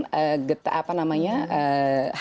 heart ratenya going up